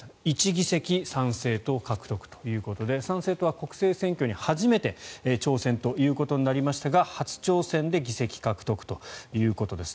１議席参政党獲得ということで参政党は国政選挙に初めて挑戦ということになりましたが初挑戦で議席獲得ということです。